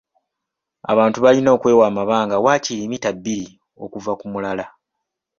Abantu balina okwewa amabanga waakiri mmita bbiri okuva ku mulala.